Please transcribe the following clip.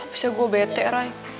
apasih gue bete reh